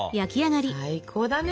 最高だね。